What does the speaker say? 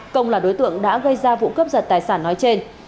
công là đối tượng đã gây ra vụ cướp giật tài sản nói trên